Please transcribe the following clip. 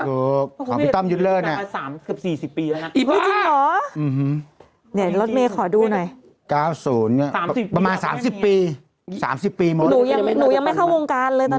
มือปืนโรคพระจันทร์เราทำงานแล้วนะเมคุณพี่ชาทำแล้วมือปืนโรคพระจันทร์เราทำงานแล้วนะเมคุณพี่ชาทำแล้วมือปืนโรคพระจันทร์เราทำงานแล้วนะเม